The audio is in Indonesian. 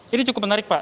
ini cukup menarik pak